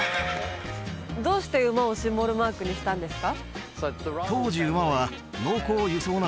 どうして馬をシンボルマークにしたんですか？